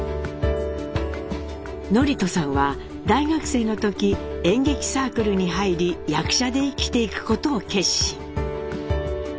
智人さんは大学生の時演劇サークルに入り役者で生きていくことを決心。